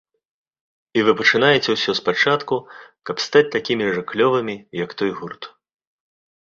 І вы пачынаеце ўсё спачатку, каб стаць такімі жа клёвымі, як той гурт.